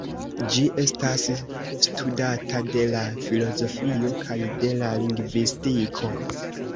Ĝi estas studata de la filozofio kaj de la lingvistiko.